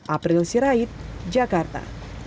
april sirait jakarta